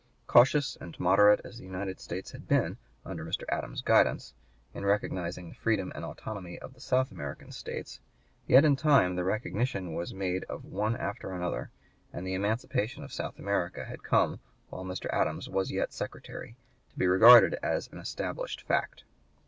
Cautious and moderate as the (p. 132) United States had been, under Mr. Adams's guidance, in recognizing the freedom and autonomy of the South American states, yet in time the recognition was made of one after another, and the emancipation of South America had come, while Mr. Adams was yet Secretary, to be regarded as an established fact.